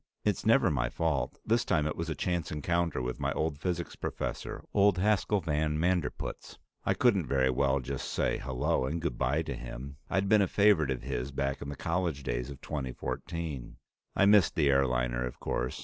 It's never my fault; this time it was a chance encounter with my old physics professor, old Haskel van Manderpootz. I couldn't very well just say hello and good bye to him; I'd been a favorite of his back in the college days of 2014. I missed the airliner, of course.